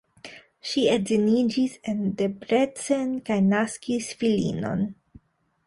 Ŝi edziniĝis en Debrecen kaj naskis filinon.